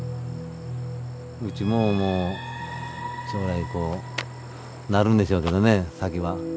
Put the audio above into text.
うちももう将来こうなるんでしょうけどね先は。